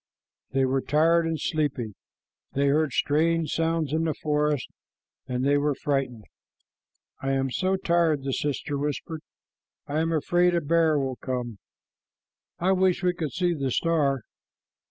They were tired and sleepy. They heard strange sounds in the forest, and they were frightened. "I am so tired," the sister whispered. "I am afraid a bear will come. I wish we could see the star."